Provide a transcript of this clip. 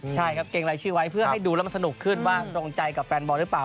ใช่ครับเกรงรายชื่อไว้เพื่อให้ดูแล้วมันสนุกขึ้นว่าตรงใจกับแฟนบอลหรือเปล่า